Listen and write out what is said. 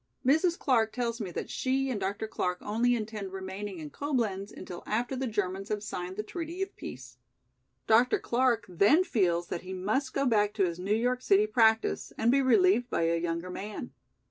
Mrs. Clark tells me that she and Dr. Clark only intend remaining in Coblenz until after the Germans have signed the treaty of peace. Dr. Clark then feels that he must go back to his New York city practice and be relieved by a younger man.